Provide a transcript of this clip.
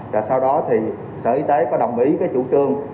và sau đó thì sở y tế có đồng ý cái chủ trương